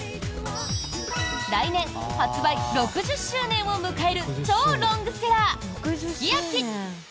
来年、発売６０周年を迎える超ロングセラー「すきやき」。